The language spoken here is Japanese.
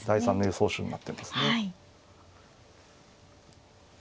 手になってますね。